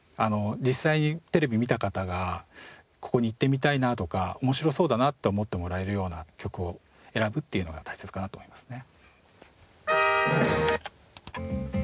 実際にテレビを見た方がここに行ってみたいなとか面白そうだなと思ってもらえるような曲を選ぶっていうのが大切かなと思いますね。